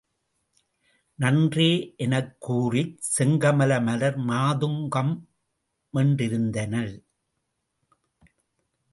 நன்றே எனக் கூறிச் செங்கமல மலர் மாதுங் கம்மென்றிருந்தனள்.